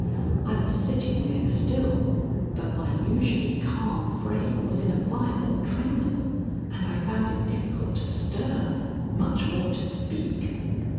I was sitting there still, but my usually calm frame was in a violent tremble, and I found it difficult to stir, much more to speak.